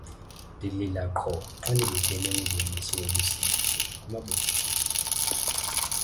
ndilila qho xa ndibukele imiboniso elusizi kumabonakude